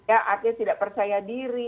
artinya tidak percaya diri